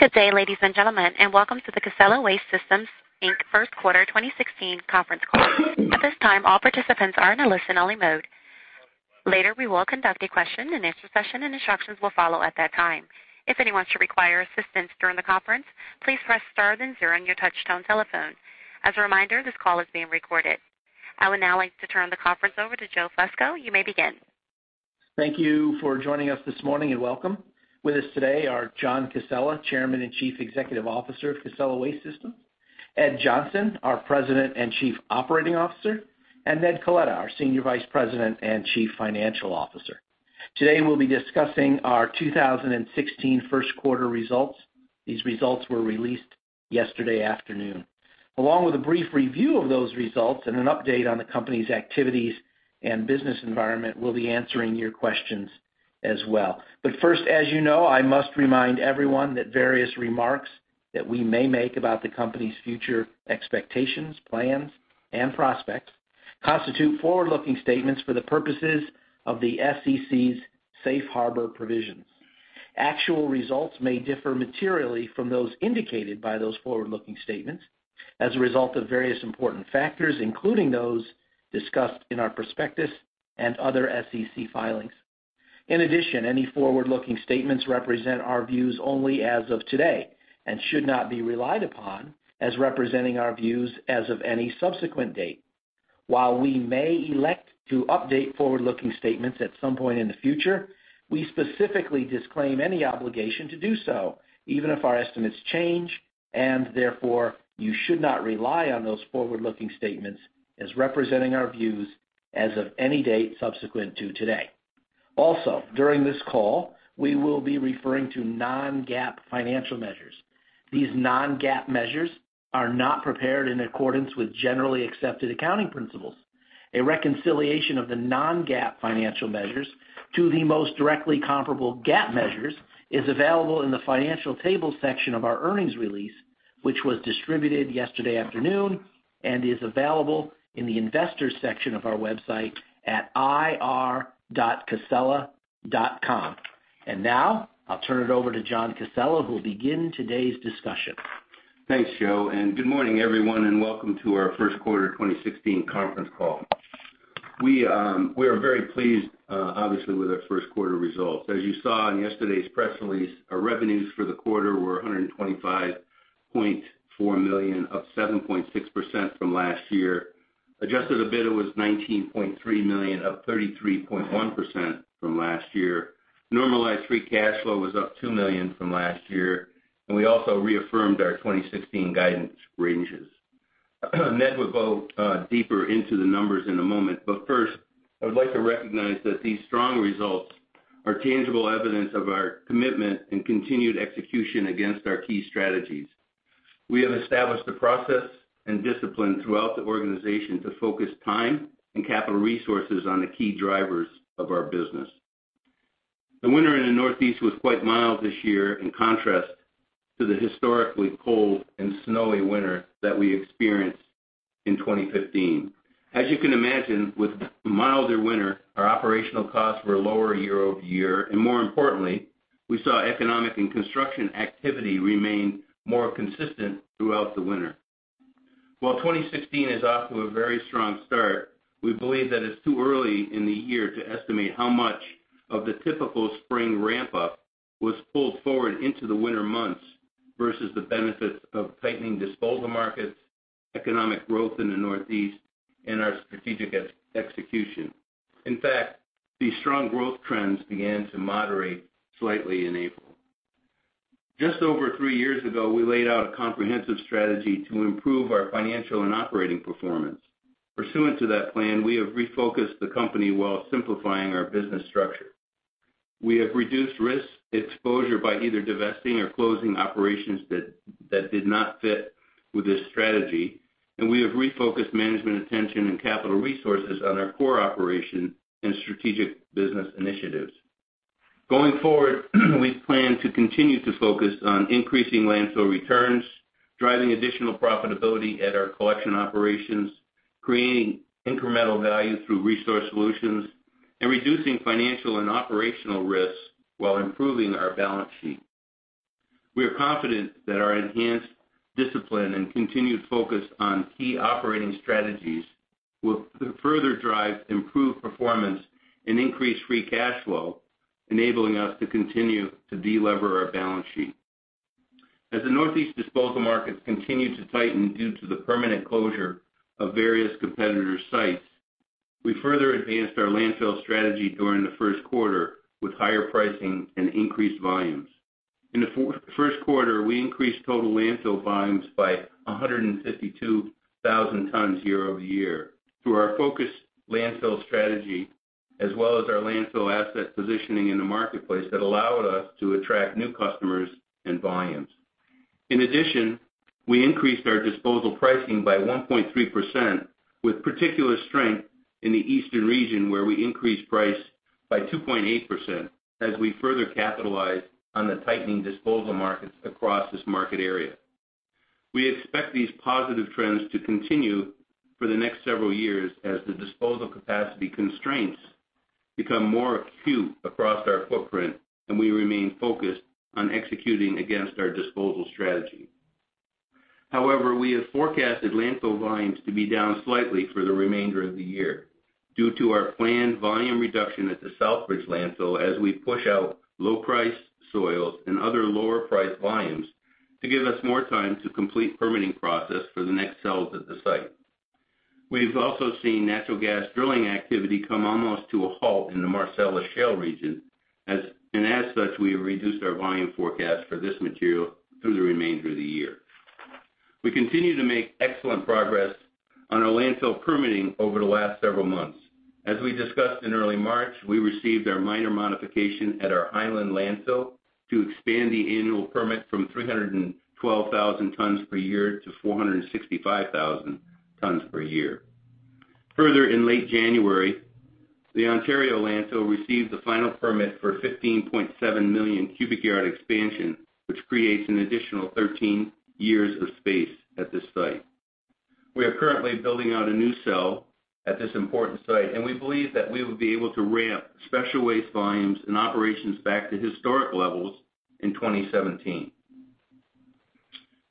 Good day, ladies and gentlemen, welcome to the Casella Waste Systems, Inc. first quarter 2016 conference call. At this time, all participants are in a listen-only mode. Later, we will conduct a question-and-answer session. Instructions will follow at that time. If anyone should require assistance during the conference, please press star then zero on your touchtone telephone. As a reminder, this call is being recorded. I would now like to turn the conference over to Joe Fusco. You may begin. Thank you for joining us this morning and welcome. With us today are John Casella, Chairman and Chief Executive Officer of Casella Waste Systems, Ed Johnson, our President and Chief Operating Officer, and Ned Coletta, our Senior Vice President and Chief Financial Officer. Today, we'll be discussing our 2016 first quarter results. These results were released yesterday afternoon. Along with a brief review of those results and an update on the company's activities and business environment, we'll be answering your questions as well. First, as you know, I must remind everyone that various remarks that we may make about the company's future expectations, plans, and prospects constitute forward-looking statements for the purposes of the SEC's Safe Harbor provisions. Actual results may differ materially from those indicated by those forward-looking statements as a result of various important factors, including those discussed in our prospectus and other SEC filings. In addition, any forward-looking statements represent our views only as of today and should not be relied upon as representing our views as of any subsequent date. While we may elect to update forward-looking statements at some point in the future, we specifically disclaim any obligation to do so, even if our estimates change, and therefore, you should not rely on those forward-looking statements as representing our views as of any date subsequent to today. During this call, we will be referring to non-GAAP financial measures. These non-GAAP measures are not prepared in accordance with generally accepted accounting principles. A reconciliation of the non-GAAP financial measures to the most directly comparable GAAP measures is available in the financial table section of our earnings release, which was distributed yesterday afternoon and is available in the investors section of our website at ir.casella.com. Now, I'll turn it over to John Casella, who will begin today's discussion. Thanks, Joe, good morning, everyone, and welcome to our first quarter 2016 conference call. We are very pleased, obviously, with our first quarter results. As you saw in yesterday's press release, our revenues for the quarter were $125.4 million, up 7.6% from last year. Adjusted EBITDA was $19.3 million, up 33.1% from last year. Normalized free cash flow was up $2 million from last year. We also reaffirmed our 2016 guidance ranges. Ned will go deeper into the numbers in a moment. First, I would like to recognize that these strong results are tangible evidence of our commitment and continued execution against our key strategies. We have established the process and discipline throughout the organization to focus time and capital resources on the key drivers of our business. The winter in the Northeast was quite mild this year, in contrast to the historically cold and snowy winter that we experienced in 2015. As you can imagine, with a milder winter, our operational costs were lower year-over-year. More importantly, we saw economic and construction activity remain more consistent throughout the winter. While 2016 is off to a very strong start, we believe that it's too early in the year to estimate how much of the typical spring ramp-up was pulled forward into the winter months versus the benefits of tightening disposal markets, economic growth in the Northeast, and our strategic execution. In fact, these strong growth trends began to moderate slightly in April. Just over three years ago, we laid out a comprehensive strategy to improve our financial and operating performance. Pursuant to that plan, we have refocused the company while simplifying our business structure. We have reduced risk exposure by either divesting or closing operations that did not fit with this strategy. We have refocused management attention and capital resources on our core operations and strategic business initiatives. Going forward, we plan to continue to focus on increasing landfill returns, driving additional profitability at our collection operations, creating incremental value through resource solutions, and reducing financial and operational risks while improving our balance sheet. We are confident that our enhanced discipline and continued focus on key operating strategies will further drive improved performance and increase free cash flow, enabling us to continue to de-lever our balance sheet. As the Northeast disposal markets continue to tighten due to the permanent closure of various competitors' sites, we further advanced our landfill strategy during the first quarter with higher pricing and increased volumes. In the first quarter, we increased total landfill volumes by 152,000 tons year-over-year through our focused landfill strategy, as well as our landfill asset positioning in the marketplace that allowed us to attract new customers and volumes. In addition, we increased our disposal pricing by 1.3%, with particular strength in the eastern region, where we increased price by 2.8% as we further capitalized on the tightening disposal markets across this market area. We expect these positive trends to continue for the next several years as the disposal capacity constraints become more acute across our footprint. We remain focused on executing against our disposal strategy. We have forecasted landfill volumes to be down slightly for the remainder of the year due to our planned volume reduction at the Southbridge Landfill as we push out low-priced soils and other lower-priced volumes to give us more time to complete the permitting process for the next cells at the site. We've also seen natural gas drilling activity come almost to a halt in the Marcellus Shale region, as such, we have reduced our volume forecast for this material through the remainder of the year. We continue to make excellent progress on our landfill permitting over the last several months. As we discussed in early March, we received our minor modification at our Highland Landfill to expand the annual permit from 312,000 tons per year to 465,000 tons per year. In late January, the Ontario landfill received the final permit for a 15.7 million cubic yard expansion, which creates an additional 13 years of space at this site. We are currently building out a new cell at this important site, we believe that we will be able to ramp special waste volumes and operations back to historic levels in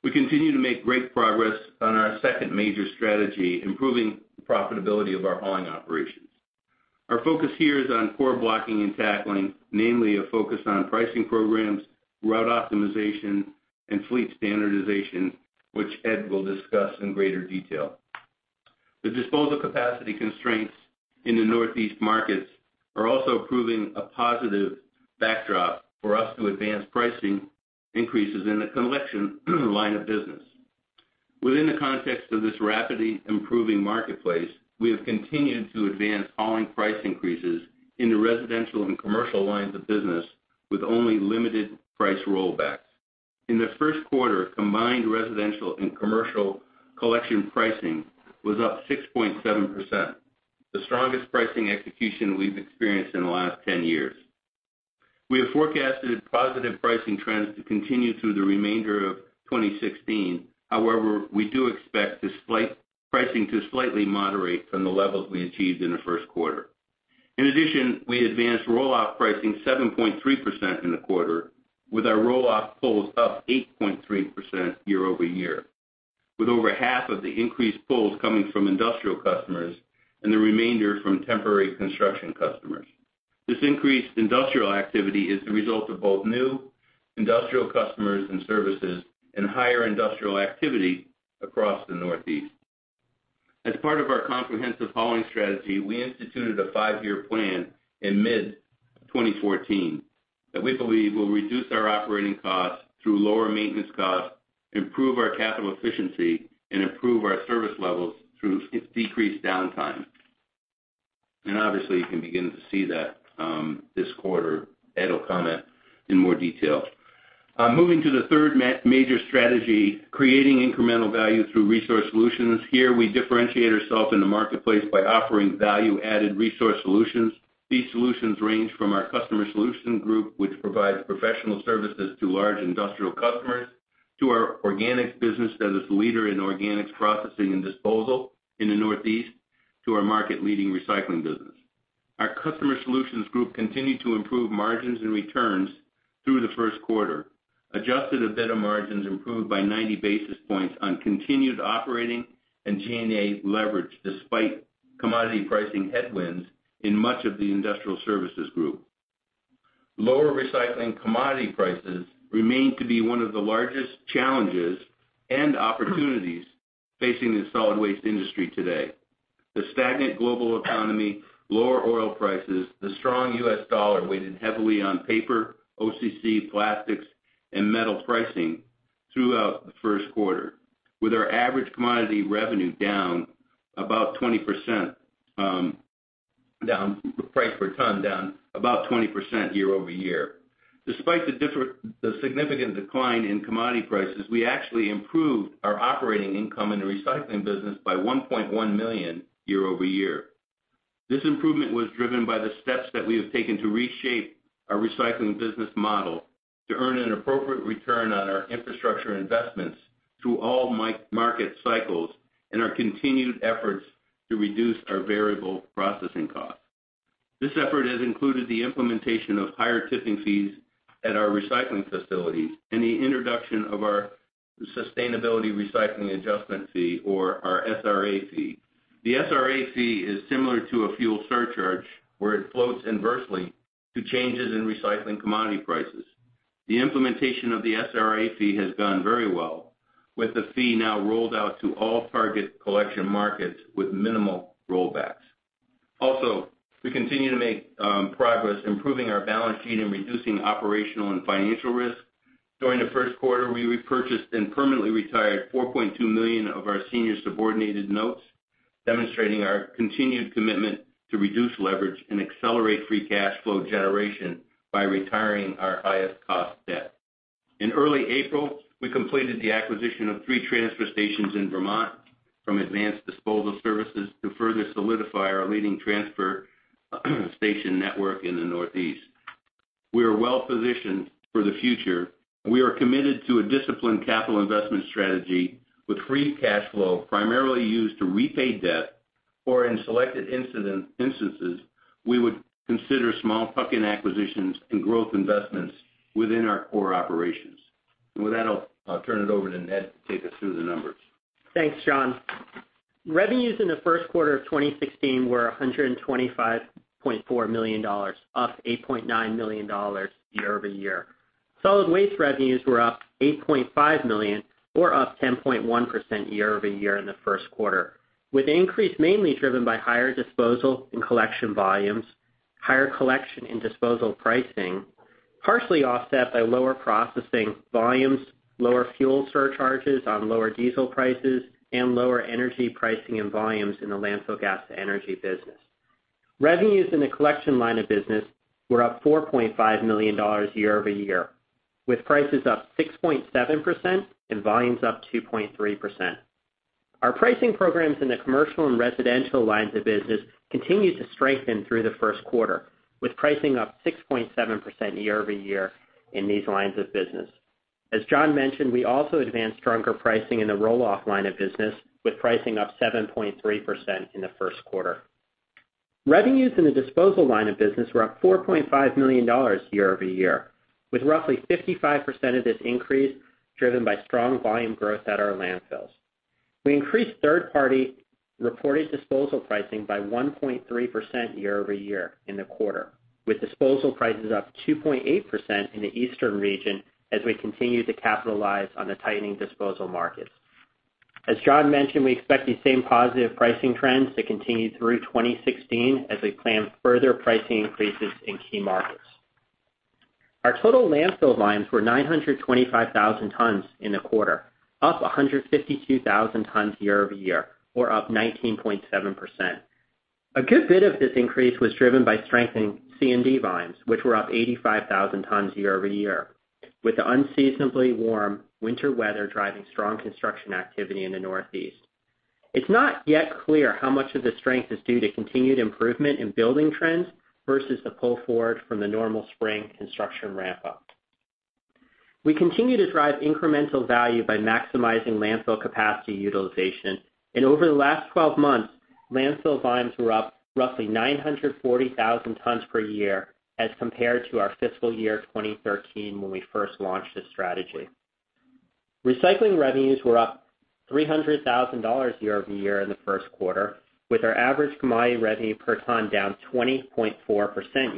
2017. We continue to make great progress on our second major strategy, improving the profitability of our hauling operations. Our focus here is on core blocking and tackling, namely a focus on pricing programs, route optimization, and fleet standardization, which Ed will discuss in greater detail. The disposal capacity constraints in the Northeast markets are also proving a positive backdrop for us to advance pricing increases in the collection line of business. Within the context of this rapidly improving marketplace, we have continued to advance hauling price increases in the residential and commercial lines of business with only limited price rollbacks. In the first quarter, combined residential and commercial collection pricing was up 6.7%, the strongest pricing execution we've experienced in the last 10 years. We have forecasted positive pricing trends to continue through the remainder of 2016. We do expect pricing to slightly moderate from the levels we achieved in the first quarter. We advanced roll-off pricing 7.3% in the quarter, with our roll-off pulls up 8.3% year-over-year, with over half of the increased pulls coming from industrial customers and the remainder from temporary construction customers. This increased industrial activity is the result of both new industrial customers and services and higher industrial activity across the Northeast. As part of our comprehensive hauling strategy, we instituted a five-year plan in mid-2014 that we believe will reduce our operating costs through lower maintenance costs, improve our capital efficiency, improve our service levels through decreased downtime. Obviously, you can begin to see that this quarter. Ed will comment in more detail. Moving to the third major strategy, creating incremental value through resource solutions. Here, we differentiate ourselves in the marketplace by offering value-added resource solutions. These solutions range from our Customer Solutions Group, which provides professional services to large industrial customers, to our organics business that is a leader in organics processing and disposal in the Northeast, to our market-leading recycling business. Our Customer Solutions Group continued to improve margins and returns through the first quarter. Adjusted EBITDA margins improved by 90 basis points on continued operating and G&A leverage, despite commodity pricing headwinds in much of the Industrial Services Group. Lower recycling commodity prices remain to be one of the largest challenges and opportunities facing the solid waste industry today. The stagnant global economy, lower oil prices, the strong U.S. dollar weighted heavily on paper, OCC, plastics, and metal pricing throughout the first quarter, with our average commodity revenue down about 20%, price per ton down about 20% year-over-year. Despite the significant decline in commodity prices, we actually improved our operating income in the recycling business by $1.1 million year-over-year. This improvement was driven by the steps that we have taken to reshape our recycling business model to earn an appropriate return on our infrastructure investments through all market cycles and our continued efforts to reduce our variable processing costs. This effort has included the implementation of higher tipping fees at our recycling facilities and the introduction of our Sustainability Recycling Adjustment fee or our SRA fee. The SRA fee is similar to a fuel surcharge, where it floats inversely to changes in recycling commodity prices. The implementation of the SRA fee has gone very well, with the fee now rolled out to all target collection markets with minimal rollbacks. We continue to make progress improving our balance sheet and reducing operational and financial risk. During the first quarter, we repurchased and permanently retired $4.2 million of our senior subordinated notes, demonstrating our continued commitment to reduce leverage and accelerate free cash flow generation by retiring our highest cost debt. In early April, we completed the acquisition of 3 transfer stations in Vermont from Advanced Disposal Services to further solidify our leading transfer station network in the Northeast. We are well-positioned for the future, we are committed to a disciplined capital investment strategy with free cash flow primarily used to repay debt or in selected instances, we would consider small tuck-in acquisitions and growth investments within our core operations. With that, I'll turn it over to Ned to take us through the numbers. Thanks, John. Revenues in the first quarter of 2016 were $125.4 million, up $8.9 million year-over-year. Solid waste revenues were up $8.5 million or up 10.1% year-over-year in the first quarter, with the increase mainly driven by higher disposal and collection volumes, higher collection and disposal pricing, partially offset by lower processing volumes, lower fuel surcharges on lower diesel prices, and lower energy pricing and volumes in the landfill gas to energy business. Revenues in the collection line of business were up $4.5 million year-over-year, with prices up 6.7% and volumes up 2.3%. Our pricing programs in the commercial and residential lines of business continued to strengthen through the first quarter, with pricing up 6.7% year-over-year in these lines of business. As John mentioned, we also advanced stronger pricing in the roll-off line of business, with pricing up 7.3% in the first quarter. Revenues in the disposal line of business were up $4.5 million year-over-year, with roughly 55% of this increase driven by strong volume growth at our landfills. We increased third-party reported disposal pricing by 1.3% year-over-year in the quarter, with disposal prices up 2.8% in the eastern region as we continue to capitalize on the tightening disposal markets. As John mentioned, we expect these same positive pricing trends to continue through 2016 as we plan further pricing increases in key markets. Our total landfill volumes were 925,000 tons in the quarter, up 152,000 tons year-over-year, or up 19.7%. A good bit of this increase was driven by strengthening C&D volumes, which were up 85,000 tons year-over-year, with the unseasonably warm winter weather driving strong construction activity in the Northeast. It's not yet clear how much of the strength is due to continued improvement in building trends versus the pull forward from the normal spring construction ramp-up. We continue to drive incremental value by maximizing landfill capacity utilization. Over the last 12 months, landfill volumes were up roughly 940,000 tons per year as compared to our fiscal year 2013, when we first launched this strategy. Recycling revenues were up $300,000 year-over-year in the first quarter, with our average commodity revenue per ton down 20.4%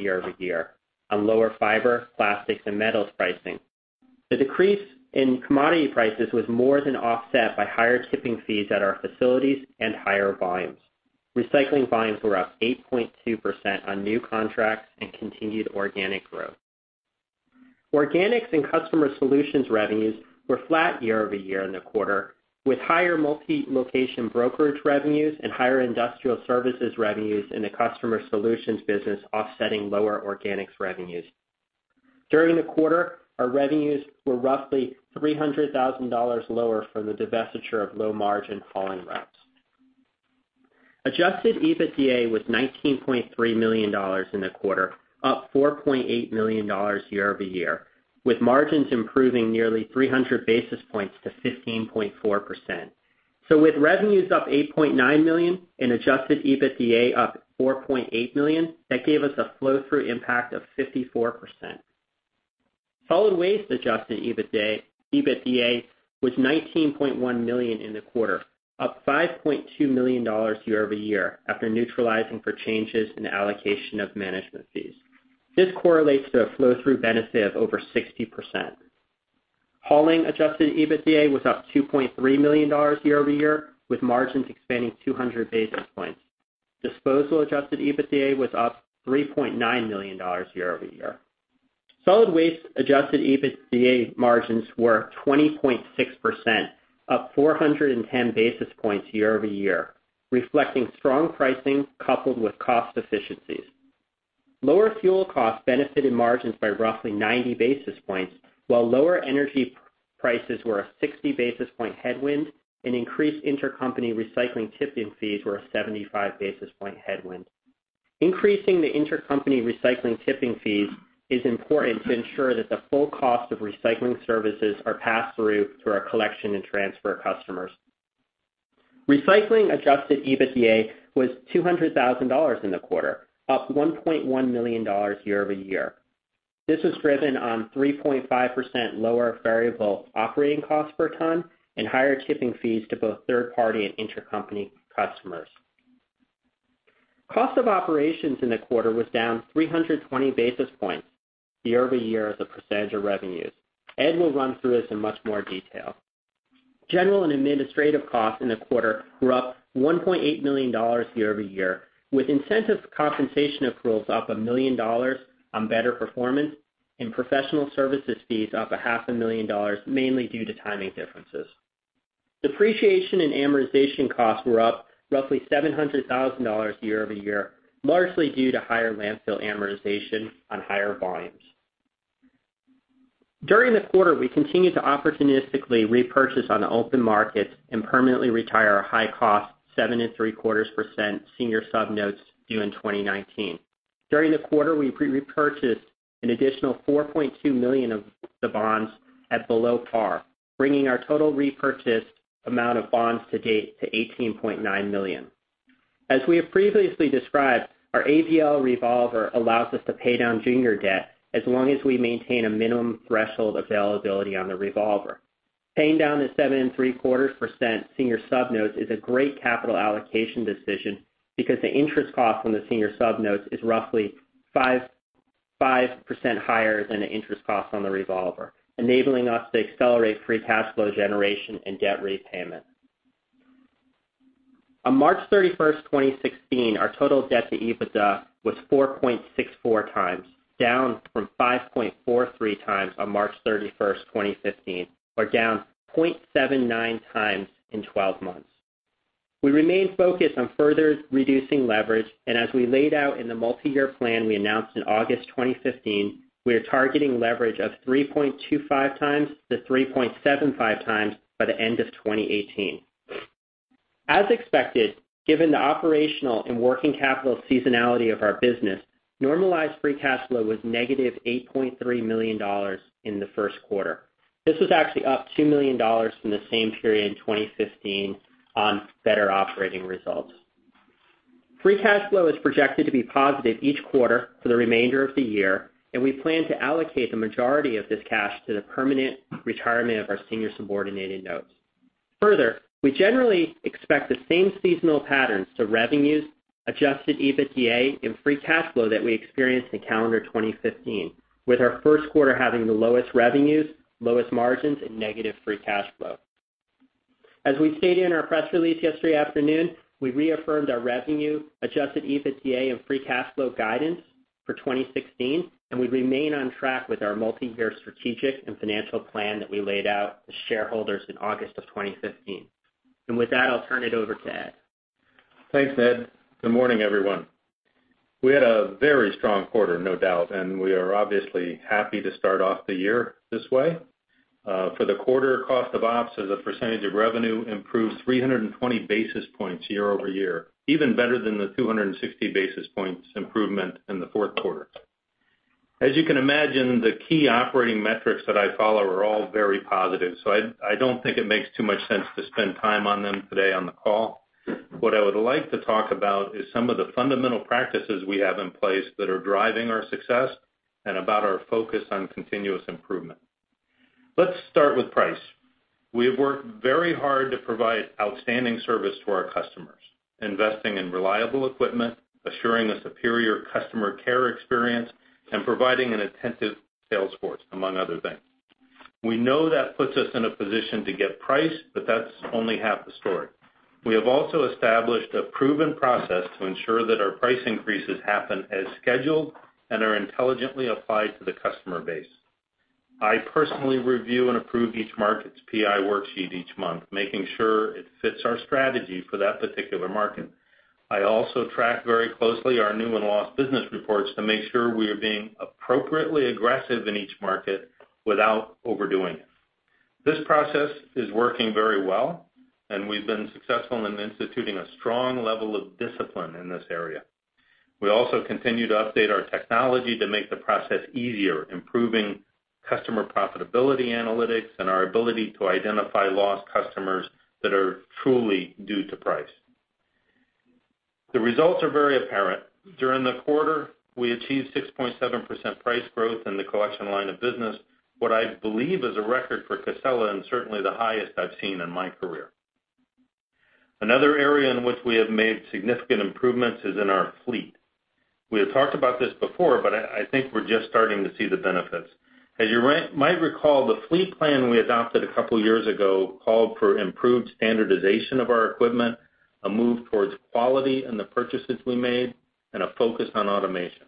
year-over-year on lower fiber, plastics, and metals pricing. The decrease in commodity prices was more than offset by higher tipping fees at our facilities and higher volumes. Recycling volumes were up 8.2% on new contracts and continued organic growth. Organics and Customer Solutions revenues were flat year-over-year in the quarter with higher multi-location brokerage revenues and higher Industrial Services revenues in the Customer Solutions business offsetting lower organics revenues. During the quarter, our revenues were roughly $300,000 lower from the divestiture of low-margin hauling routes. Adjusted EBITDA was $19.3 million in the quarter, up $4.8 million year-over-year, with margins improving nearly 300 basis points to 15.4%. With revenues up $8.9 million and adjusted EBITDA up $4.8 million, that gave us a flow-through impact of 54%. Solid Waste adjusted EBITDA was $19.1 million in the quarter, up $5.2 million year-over-year after neutralizing for changes in allocation of management fees. This correlates to a flow-through benefit of over 60%. Hauling adjusted EBITDA was up $2.3 million year-over-year, with margins expanding 200 basis points. Disposal adjusted EBITDA was up $3.9 million year-over-year. Solid Waste adjusted EBITDA margins were 20.6%, up 410 basis points year-over-year, reflecting strong pricing coupled with cost efficiencies. Lower fuel costs benefited margins by roughly 90 basis points, while lower energy prices were a 60-basis-point headwind, and increased intercompany recycling tipping fees were a 75-basis-point headwind. Increasing the intercompany recycling tipping fees is important to ensure that the full cost of recycling services are passed through to our collection and transfer customers. Recycling adjusted EBITDA was $200,000 in the quarter, up $1.1 million year-over-year. This was driven on 3.5% lower variable operating costs per ton and higher tipping fees to both third party and intercompany customers. Cost of operations in the quarter was down 320 basis points year-over-year as a percentage of revenues. Ed will run through this in much more detail. General and administrative costs in the quarter were up $1.8 million year-over-year, with incentive compensation accruals up a million dollars on better performance and professional services fees up a half a million dollars, mainly due to timing differences. Depreciation and amortization costs were up roughly $700,000 year-over-year, largely due to higher landfill amortization on higher volumes. During the quarter, we continued to opportunistically repurchase on the open markets and permanently retire our high-cost seven and three-quarters percent senior sub notes due in 2019. During the quarter, we repurchased an additional $4.2 million of the bonds at below par, bringing our total repurchased amount of bonds to date to $18.9 million. As we have previously described, our ABL revolver allows us to pay down junior debt as long as we maintain a minimum threshold availability on the revolver. Paying down the seven and three-quarters percent senior sub notes is a great capital allocation decision because the interest cost on the senior sub notes is roughly 5% higher than the interest cost on the revolver, enabling us to accelerate free cash flow generation and debt repayment. On March 31st, 2016, our total debt to EBITDA was 4.64x, down from 5.43x on March 31st, 2015, or down 0.79x in 12 months. We remain focused on further reducing leverage, as we laid out in the multi-year plan we announced in August 2015, we are targeting leverage of 3.25x-3.75x by the end of 2018. As expected, given the operational and working capital seasonality of our business, normalized free cash flow was negative $8.3 million in the first quarter. This was actually up $2 million from the same period in 2015 on better operating results. Free cash flow is projected to be positive each quarter for the remainder of the year, we plan to allocate the majority of this cash to the permanent retirement of our senior subordinated notes. Further, we generally expect the same seasonal patterns to revenues, adjusted EBITDA, and free cash flow that we experienced in calendar 2015, with our first quarter having the lowest revenues, lowest margins, and negative free cash flow. As we stated in our press release yesterday afternoon, we reaffirmed our revenue, adjusted EBITDA, and free cash flow guidance for 2016, we remain on track with our multi-year strategic and financial plan that we laid out to shareholders in August of 2015. With Ed, I'll turn it over to Ed. Thanks, Ed. Good morning, everyone. We had a very strong quarter, no doubt, and we are obviously happy to start off the year this way. For the quarter, cost of ops as a percentage of revenue improved 320 basis points year-over-year, even better than the 260 basis points improvement in the fourth quarter. As you can imagine, the key operating metrics that I follow are all very positive, I don't think it makes too much sense to spend time on them today on the call. What I would like to talk about is some of the fundamental practices we have in place that are driving our success and about our focus on continuous improvement. Let's start with price. We have worked very hard to provide outstanding service to our customers, investing in reliable equipment, assuring a superior customer care experience, and providing an attentive sales force, among other things. We know that puts us in a position to get price, but that's only half the story. We have also established a proven process to ensure that our price increases happen as scheduled and are intelligently applied to the customer base. I personally review and approve each market's PI worksheet each month, making sure it fits our strategy for that particular market. I also track very closely our new and lost business reports to make sure we are being appropriately aggressive in each market without overdoing it. This process is working very well, and we've been successful in instituting a strong level of discipline in this area. We also continue to update our technology to make the process easier, improving customer profitability analytics, and our ability to identify lost customers that are truly due to price. The results are very apparent. During the quarter, we achieved 6.7% price growth in the collection line of business, what I believe is a record for Casella and certainly the highest I've seen in my career. Another area in which we have made significant improvements is in our fleet. We have talked about this before, but I think we're just starting to see the benefits. As you might recall, the fleet plan we adopted a couple of years ago called for improved standardization of our equipment, a move towards quality in the purchases we made, and a focus on automation.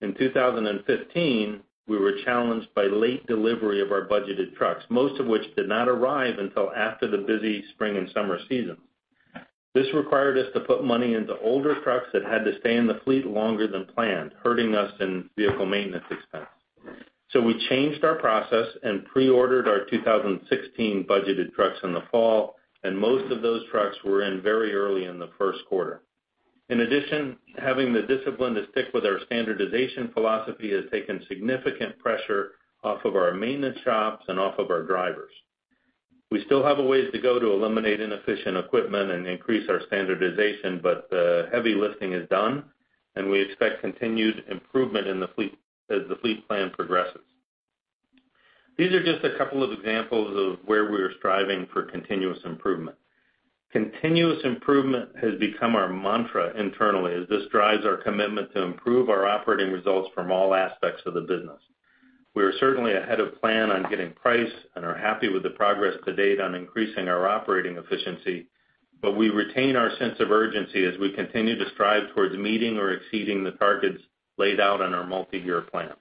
In 2015, we were challenged by late delivery of our budgeted trucks, most of which did not arrive until after the busy spring and summer seasons. This required us to put money into older trucks that had to stay in the fleet longer than planned, hurting us in vehicle maintenance expense. We changed our process and pre-ordered our 2016 budgeted trucks in the fall, and most of those trucks were in very early in the first quarter. In addition, having the discipline to stick with our standardization philosophy has taken significant pressure off of our maintenance shops and off of our drivers. We still have a ways to go to eliminate inefficient equipment and increase our standardization, but the heavy lifting is done, and we expect continued improvement as the fleet plan progresses. These are just a couple of examples of where we are striving for continuous improvement. Continuous improvement has become our mantra internally, as this drives our commitment to improve our operating results from all aspects of the business. We are certainly ahead of plan on getting price and are happy with the progress to date on increasing our operating efficiency, but we retain our sense of urgency as we continue to strive towards meeting or exceeding the targets laid out in our multi-year plan.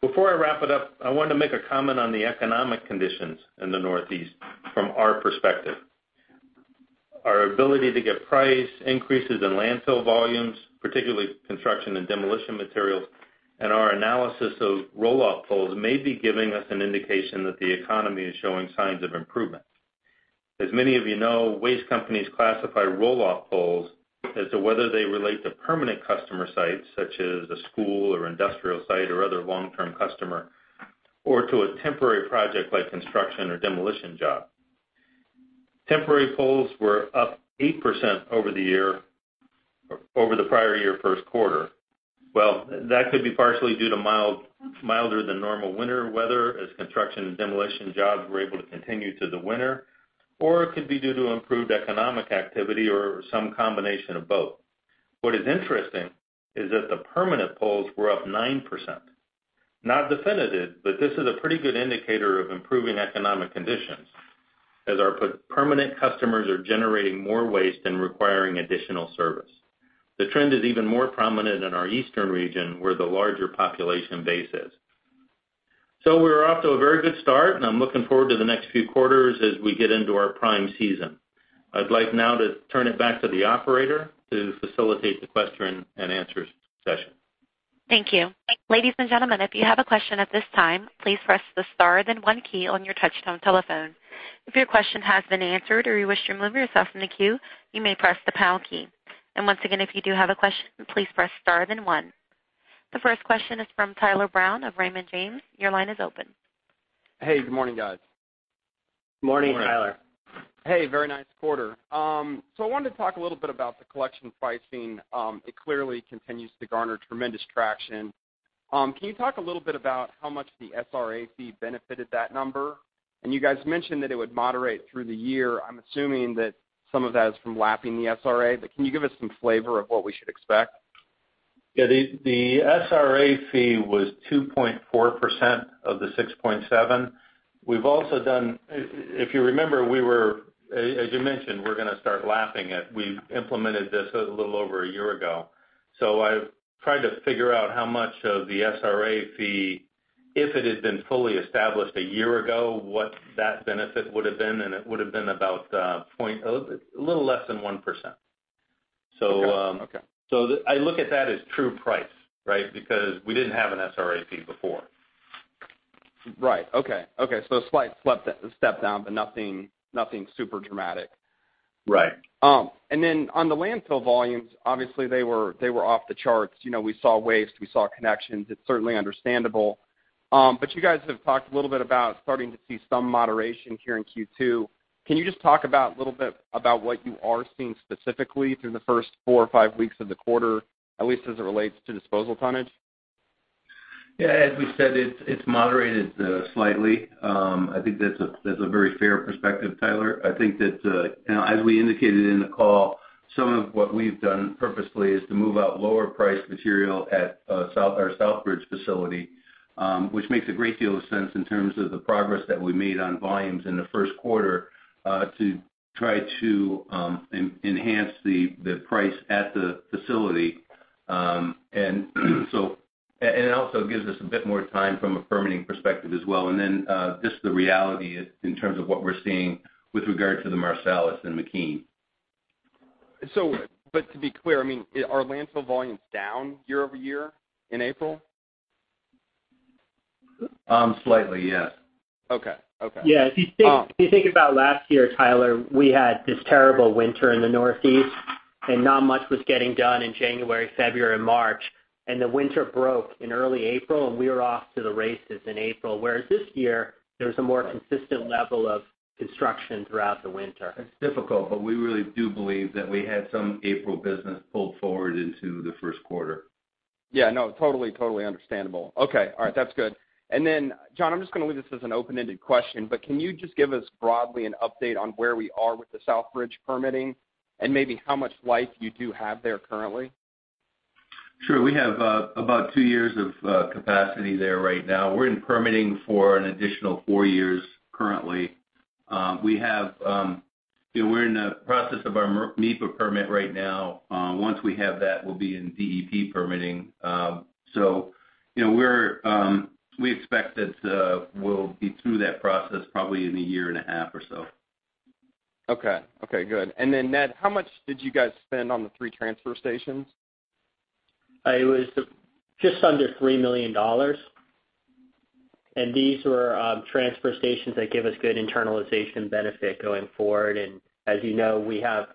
Before I wrap it up, I want to make a comment on the economic conditions in the Northeast from our perspective. Our ability to get price increases in landfill volumes, particularly construction and demolition materials, and our analysis of roll-off pulls may be giving us an indication that the economy is showing signs of improvement. As many of you know, waste companies classify roll-off pulls as to whether they relate to permanent customer sites, such as a school or industrial site or other long-term customer, or to a temporary project like construction or demolition job. Temporary pulls were up 8% over the prior year first quarter. Well, that could be partially due to milder than normal winter weather, as construction and demolition jobs were able to continue through the winter, or it could be due to improved economic activity or some combination of both. What is interesting is that the permanent pulls were up 9%. Not definitive, this is a pretty good indicator of improving economic conditions, as our permanent customers are generating more waste and requiring additional service. The trend is even more prominent in our eastern region, where the larger population base is. We're off to a very good start, and I'm looking forward to the next few quarters as we get into our prime season. I'd like now to turn it back to the operator to facilitate the question and answer session. Thank you. Ladies and gentlemen, if you have a question at this time, please press the star then one key on your touchtone telephone. If your question has been answered or you wish to remove yourself from the queue, you may press the pound key. Once again, if you do have a question, please press star then one. The first question is from Tyler Brown of Raymond James. Your line is open. Hey, good morning, guys. Good morning. Morning, Tyler. Hey, very nice quarter. I wanted to talk a little bit about the collection pricing. It clearly continues to garner tremendous traction. Can you talk a little bit about how much the SRA fee benefited that number? And you guys mentioned that it would moderate through the year. I'm assuming that some of that is from lapping the SRA, but can you give us some flavor of what we should expect? The SRA fee was 2.4% of the 6.7%. If you remember, as you mentioned, we're going to start lapping it. We implemented this a little over a year ago. I've tried to figure out how much of the SRA fee, if it had been fully established a year ago, what that benefit would've been, and it would've been a little less than 1%. Okay. I look at that as true price, right? Because we didn't have an SRA fee before. Right. Okay. Slight step down, but nothing super dramatic. Right. On the landfill volumes, obviously, they were off the charts. We saw waste, we saw connections. It's certainly understandable. You guys have talked a little bit about starting to see some moderation here in Q2. Can you just talk about a little bit about what you are seeing specifically through the first four or five weeks of the quarter, at least as it relates to disposal tonnage? Yeah, as we said, it's moderated slightly. I think that's a very fair perspective, Tyler. I think that, as we indicated in the call, some of what we've done purposefully is to move out lower priced material at our Southbridge facility, which makes a great deal of sense in terms of the progress that we made on volumes in the first quarter, to try to enhance the price at the facility. It also gives us a bit more time from a permitting perspective as well. Just the reality is in terms of what we're seeing with regard to the Marcellus and McKean. To be clear, are landfill volumes down year-over-year in April? Slightly, yes. Okay. Yeah. If you think about last year, Tyler, we had this terrible winter in the Northeast and not much was getting done in January, February, and March, and the winter broke in early April, and we were off to the races in April. Whereas this year, there was a more consistent level of construction throughout the winter. It's difficult. We really do believe that we had some April business pulled forward into the first quarter. Yeah. No, totally understandable. Okay. All right. That's good. John, I'm just going to leave this as an open-ended question, but can you just give us broadly an update on where we are with the Southbridge permitting and maybe how much life you do have there currently? Sure. We have about two years of capacity there right now. We're in permitting for an additional four years currently. We're in the process of our NEPA permit right now. Once we have that, we'll be in DEP permitting. We expect that we'll be through that process probably in a year and a half or so. Okay. Good. Ned, how much did you guys spend on the three transfer stations? It was just under $3 million. These were transfer stations that give us good internalization benefit going forward, and as you know, we have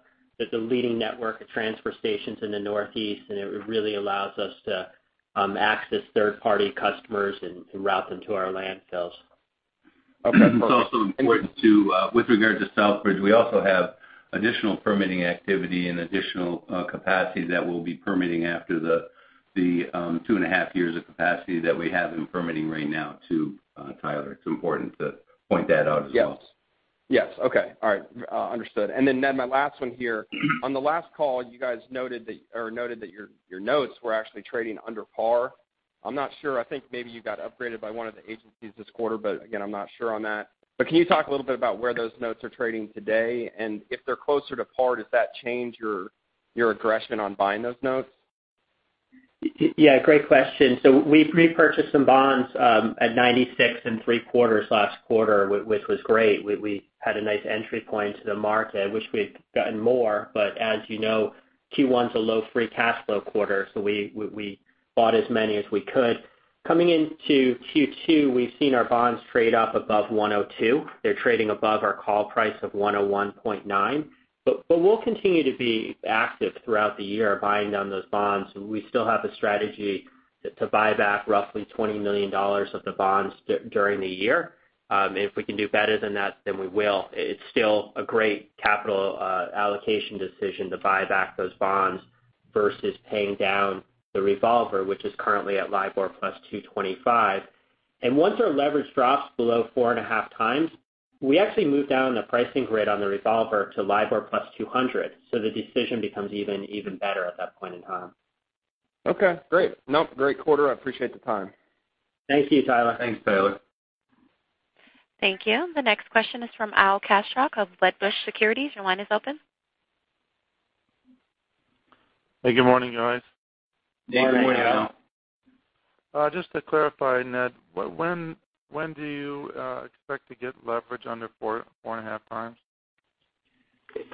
the leading network of transfer stations in the Northeast, and it really allows us to access third-party customers and route them to our landfills. Okay. It's also important to, with regard to Southbridge, we also have additional permitting activity and additional capacity that we'll be permitting after the two and a half years of capacity that we have in permitting right now, too, Tyler. It's important to point that out as well. Yes. Okay. All right. Understood. Ned, my last one here. On the last call, you guys noted that your notes were actually trading under par. I'm not sure, I think maybe you got upgraded by one of the agencies this quarter, but again, I'm not sure on that. Can you talk a little bit about where those notes are trading today? If they're closer to par, does that change your aggression on buying those notes? Yeah, great question. We've repurchased some bonds at 96 and three-quarters last quarter, which was great. We had a nice entry point to the market. I wish we'd gotten more, but as you know, Q1's a low free cash flow quarter, so we bought as many as we could. Coming into Q2, we've seen our bonds trade up above 102. They're trading above our call price of 101.9. We'll continue to be active throughout the year, buying down those bonds. We still have a strategy to buy back roughly $20 million of the bonds during the year. If we can do better than that, then we will. It's still a great capital allocation decision to buy back those bonds versus paying down the revolver, which is currently at LIBOR plus 225. Once our leverage drops below 4.5x, we actually move down the pricing grid on the revolver to LIBOR plus 200, the decision becomes even better at that point in time. Okay, great. Nope, great quarter. I appreciate the time. Thank you, Tyler. Thanks, Tyler. Thank you. The next question is from Al Kaschalk of Wedbush Securities, your line is open. Hey, good morning, guys. Good morning, Al. Good morning. Just to clarify, Ned, when do you expect to get leverage under 4.5x?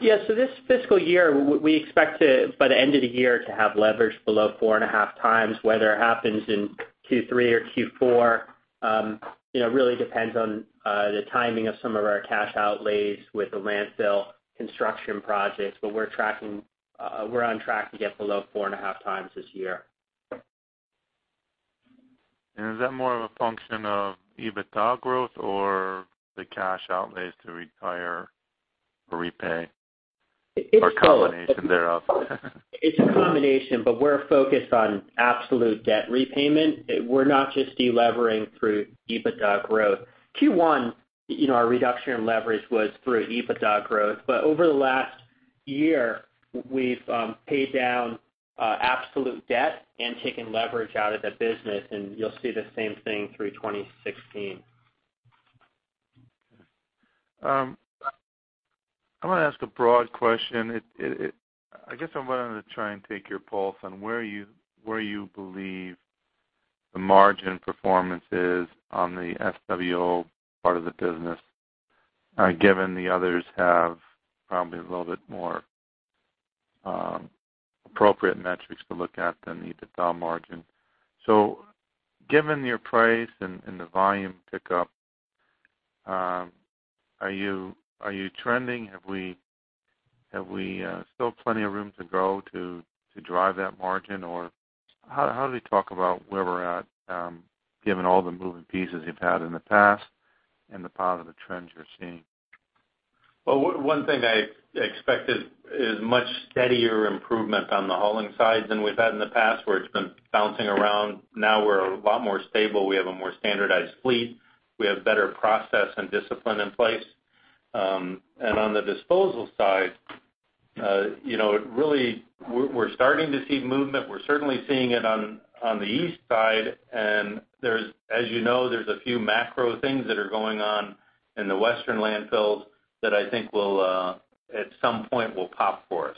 Yeah, this fiscal year, we expect by the end of the year to have leverage below 4.5x. Whether it happens in Q3 or Q4 really depends on the timing of some of our cash outlays with the landfill construction projects. We're on track to get below 4.5X this year. Is that more of a function of EBITDA growth or the cash outlays to repay? A combination thereof? It's a combination, we're focused on absolute debt repayment. We're not just de-levering through EBITDA growth. Q1, our reduction in leverage was through EBITDA growth. Over the last year, we've paid down absolute debt and taken leverage out of the business, and you'll see the same thing through 2016. Okay. I want to ask a broad question. I guess I wanted to try and take your pulse on where you believe the margin performance is on the SWO part of the business, given the others have probably a little bit more appropriate metrics to look at than the EBITDA margin. Given your price and the volume pickup, are you trending? Have we still plenty of room to grow to drive that margin? How do we talk about where we're at, given all the moving pieces you've had in the past and the positive trends you're seeing? Well, one thing I expected is much steadier improvement on the hauling side than we've had in the past, where it's been bouncing around. Now we're a lot more stable. We have a more standardized fleet. We have better process and discipline in place. On the disposal side, really, we're starting to see movement. We're certainly seeing it on the east side, and as you know, there's a few macro things that are going on in the western landfills that I think will, at some point, will pop for us.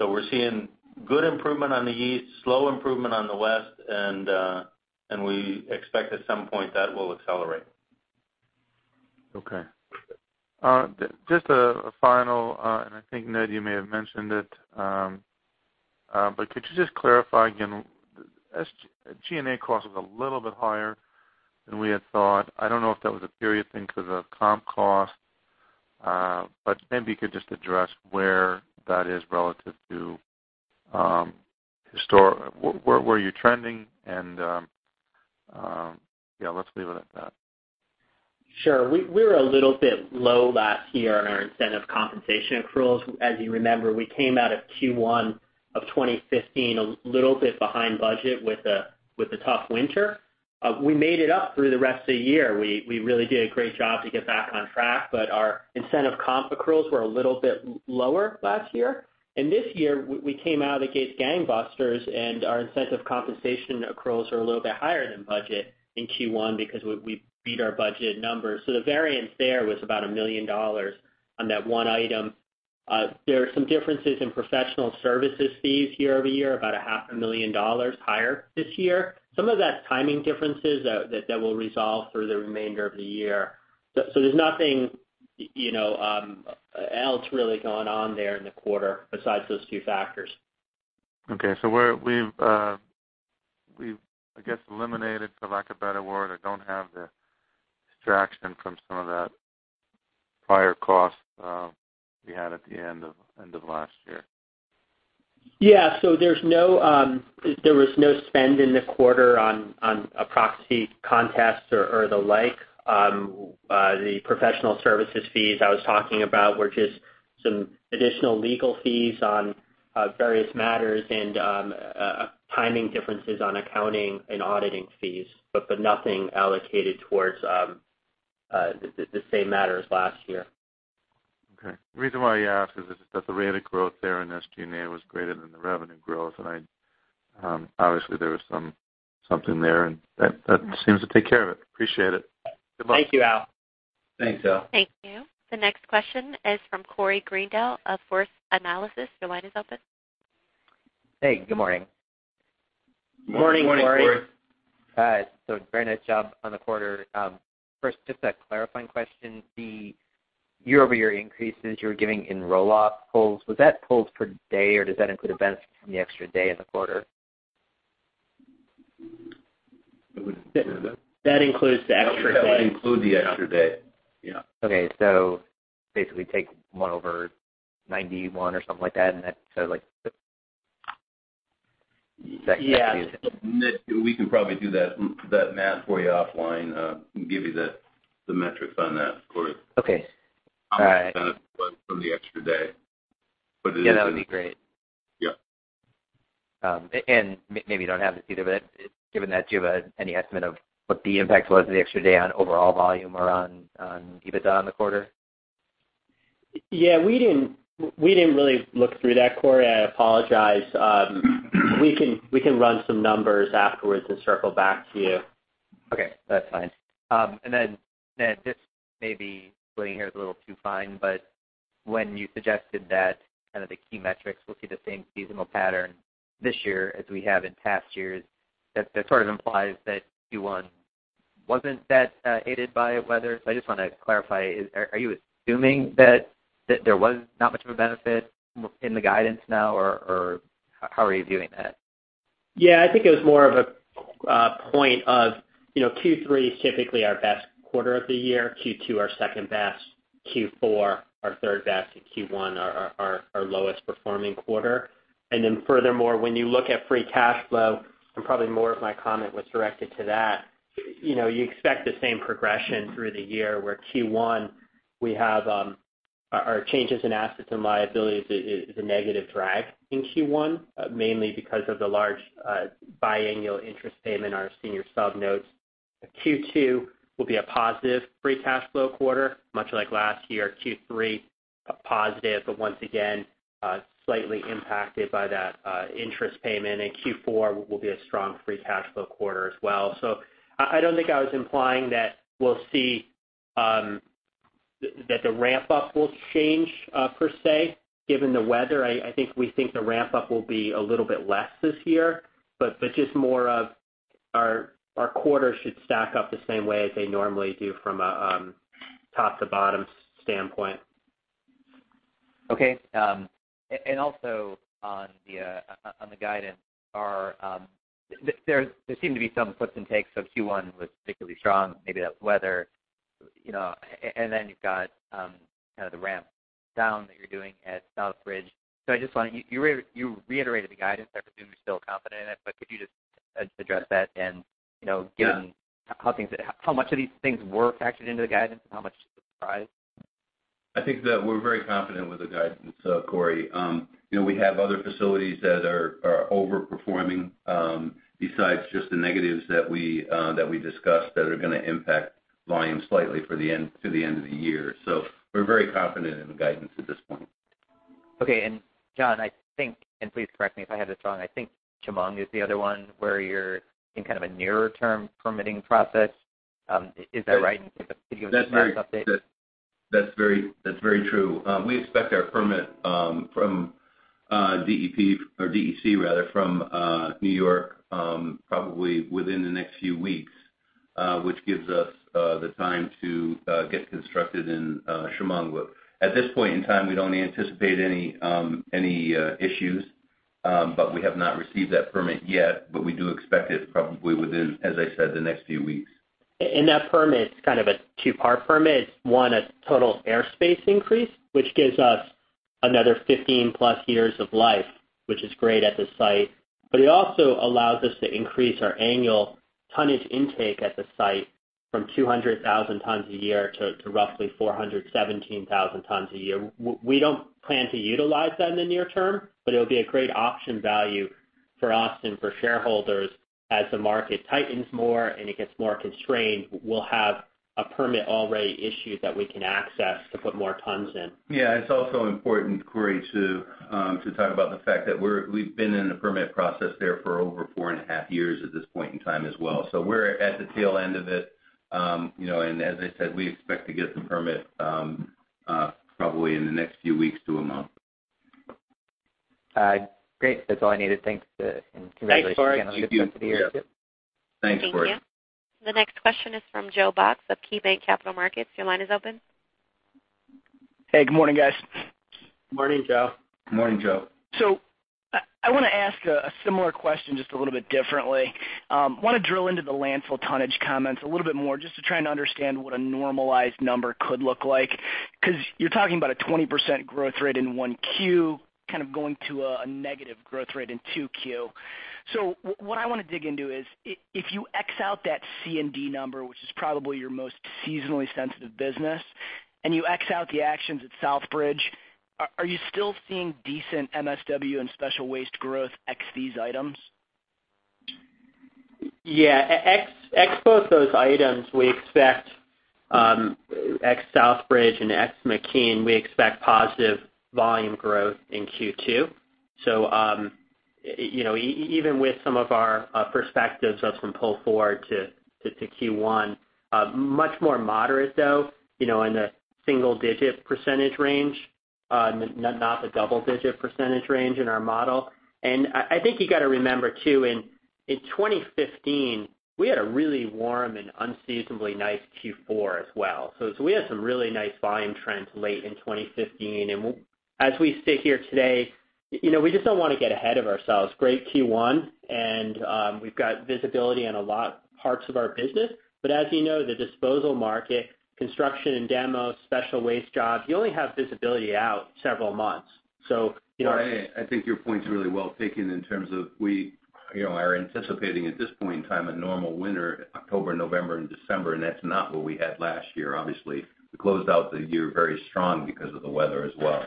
We're seeing good improvement on the east, slow improvement on the west, and we expect at some point that will accelerate. Okay. Just a final, I think, Ned, you may have mentioned it, could you just clarify again, SG&A cost was a little bit higher than we had thought. I don't know if that was a period thing because of comp cost, but maybe you could just address where that is relative to historic. Where you're trending. Yeah, let's leave it at that. Sure. We were a little bit low last year on our incentive compensation accruals. As you remember, we came out of Q1 of 2015 a little bit behind budget with a tough winter. We made it up through the rest of the year. We really did a great job to get back on track, our incentive comp accruals were a little bit lower last year. This year, we came out of the gates gangbusters, and our incentive compensation accruals are a little bit higher than budget in Q1 because we beat our budget numbers. The variance there was about $1 million on that one item. There are some differences in professional services fees year-over-year, about a half a million dollars higher this year. Some of that's timing differences that will resolve through the remainder of the year. There's nothing else really going on there in the quarter besides those two factors. Okay, we've, I guess, eliminated, for lack of better word, or don't have the distraction from some of that prior costs we had at the end of last year. Yeah. There was no spend in the quarter on a proxy contest or the like. The professional services fees I was talking about were just some additional legal fees on various matters and timing differences on accounting and auditing fees, but nothing allocated towards the same matters last year. Okay. The reason why I asked is that the rate of growth there in SG&A was greater than the revenue growth, and obviously there was something there, and that seems to take care of it. Appreciate it. Goodbye. Thank you, Al. Thanks, Al. Thank you. The next question is from Corey Greendale of First Analysis. Your line is open. Hey, good morning. Morning, Corey. Morning, Corey. Very nice job on the quarter. First, just a clarifying question. The year-over-year increases you were giving in roll-off pulls, was that pulls per day, or does that include a benefit from the extra day in the quarter? That includes the extra day. That would include the extra day. Yeah. Okay. Basically take one over 91 or something like that. Yeah. We can probably do that math for you offline, give you the metrics on that, Corey. Okay. All right. How much of that was from the extra day? Yeah, that would be great. Yeah. Maybe you don't have this either, but given that, do you have any estimate of what the impact was of the extra day on overall volume or on EBITDA on the quarter? Yeah, we didn't really look through that, Corey. I apologize. We can run some numbers afterwards and circle back to you. Okay, that's fine. Then, this may be splitting hairs a little too fine, but when you suggested that kind of the key metrics will see the same seasonal pattern this year as we have in past years, that sort of implies that Q1 wasn't that aided by weather. I just want to clarify, are you assuming that there was not much of a benefit in the guidance now, or how are you viewing that? Yeah, I think it was more of a point of Q3 is typically our best quarter of the year, Q2 our second best, Q4 our third best, and Q1 our lowest performing quarter. Furthermore, when you look at free cash flow, and probably more of my comment was directed to that, you expect the same progression through the year, where Q1, our changes in assets and liabilities is a negative drag in Q1, mainly because of the large biannual interest payment on our senior sub notes. Q2 will be a positive free cash flow quarter, much like last year. Q3, a positive, but once again, slightly impacted by that interest payment. Q4 will be a strong free cash flow quarter as well. I don't think I was implying that we'll see that the ramp-up will change per se, given the weather. I think we think the ramp-up will be a little bit less this year, just more of our quarter should stack up the same way as they normally do from a top to bottom standpoint. Okay. Also on the guidance, there seem to be some puts and takes, Q1 was particularly strong, maybe that was weather, you've got kind of the ramp down that you're doing at Southbridge. You reiterated the guidance. I presume you're still confident in it, could you just address that and given how much of these things were factored into the guidance and how much is a surprise? I think that we're very confident with the guidance, Corey. We have other facilities that are overperforming, besides just the negatives that we discussed that are going to impact volume slightly through the end of the year. We're very confident in the guidance at this point. Okay. John, I think, please correct me if I have this wrong, I think Chemung is the other one where you're in kind of a nearer term permitting process. Is that right? Could you give us an update? That's very true. We expect our permit from DEP or DEC rather from New York probably within the next few weeks, which gives us the time to get constructed in Chemung. At this point in time, we don't anticipate any issues, but we have not received that permit yet, but we do expect it probably within, as I said, the next few weeks. That permit's kind of a two-part permit. It's, one, a total airspace increase, which gives us another 15+ years of life, which is great at the site. It also allows us to increase our annual tonnage intake at the site from 200,000 tons a year to roughly 417,000 tons a year. We don't plan to utilize that in the near term, but it'll be a great option value for us and for shareholders as the market tightens more and it gets more constrained, we'll have a permit already issued that we can access to put more tons in. Yeah, it's also important, Corey, to talk about the fact that we've been in the permit process there for over four and a half years at this point in time as well. We're at the tail end of it. As I said, we expect to get the permit probably in the next few weeks to a month. Great. That's all I needed. Thanks. Congratulations again on a good quarter here, too. Thanks, Corey. Thanks, Corey. Thank you. The next question is from Joe Box of KeyBanc Capital Markets. Your line is open. Hey, good morning, guys. Morning, Joe. Morning, Joe. I want to ask a similar question just a little bit differently. I want to drill into the landfill tonnage comments a little bit more just to try and understand what a normalized number could look like. You're talking about a 20% growth rate in 1Q, kind of going to a negative growth rate in 2Q. What I want to dig into is, if you X out that C&D number, which is probably your most seasonally sensitive business, and you X out the actions at Southbridge, are you still seeing decent MSW and special waste growth X these items? Yeah. X both those items, we expect X Southbridge and X McKean, we expect positive volume growth in Q2. Even with some of our perspectives of some pull forward to Q1. Much more moderate, though, in the single-digit percentage range, not the double-digit percentage range in our model. I think you got to remember too, in 2015, we had a really warm and unseasonably nice Q4 as well. We had some really nice volume trends late in 2015. As we sit here today, we just don't want to get ahead of ourselves. Great Q1. We've got visibility on a lot parts of our business. As you know, the disposal market, construction and demo, special waste jobs, you only have visibility out several months. I think your point's really well taken in terms of we are anticipating, at this point in time, a normal winter, October, November and December, and that's not what we had last year, obviously. We closed out the year very strong because of the weather as well.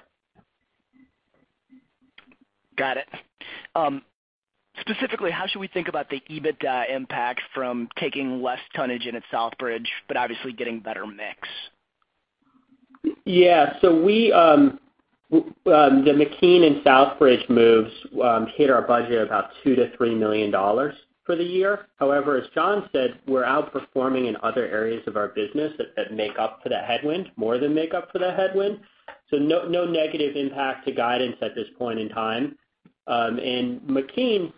Got it. Specifically, how should we think about the EBITDA impact from taking less tonnage in at Southbridge, but obviously getting better mix? The McKean and Southbridge moves hit our budget about $2 million to $3 million for the year. However, as John said, we're outperforming in other areas of our business that make up for that headwind, more than make up for that headwind. No negative impact to guidance at this point in time. In McKean,